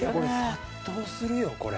殺到するよこれ。